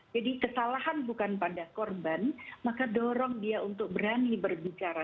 kesalahan bukan pada korban maka dorong dia untuk berani berbicara